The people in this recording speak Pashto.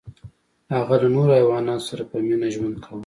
هغه له نورو حیواناتو سره په مینه ژوند کاوه.